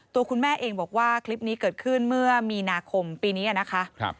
ตัวคุณแม่เองบอกว่าคลิปนี้เกิดขึ้นเมื่อมีนาคมปีนี้นะคะ